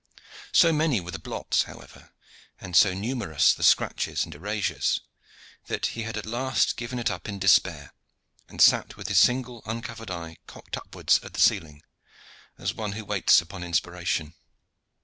So many were the blots, however, and so numerous the scratches and erasures, that he had at last given it up in despair, and sat with his single uncovered eye cocked upwards at the ceiling, as one who waits upon inspiration.